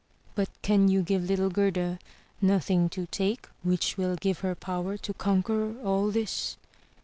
"But can you give little Gerda nothing to take which will give her power to conquer all this?"